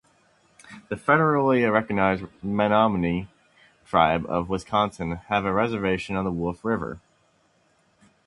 The federally recognized Menominee Tribe of Wisconsin have a reservation on the Wolf River.